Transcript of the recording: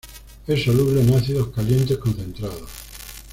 Es soluble en ácidos calientes concentrados.